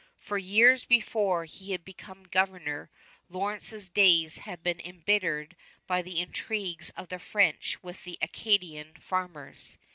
For years before he had become governor, Lawrence's days had been embittered by the intrigues of the French with the Acadian farmers.